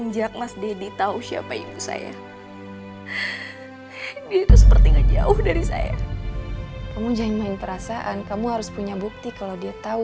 jadi akhirnya pacar kamu tau